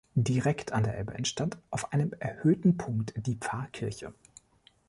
Direkt an der Elbe entstand auf einem erhöhten Punkt die Pfarrkirche.